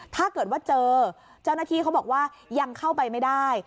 ถ้าเกิดว่าเจอเจ้าหน้าที่เขาบอกว่ายังเข้าไปไม่ได้